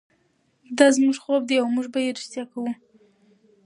دا زموږ خوب دی او موږ به یې ریښتیا کړو.